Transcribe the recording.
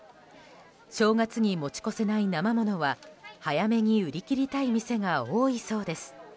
正月に持ち越せない生ものは早めに売り切りたい店が多いそうです。